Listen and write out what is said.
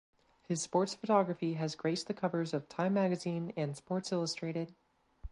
His sports photography has graced the covers of Time Magazine and Sports Illustrated.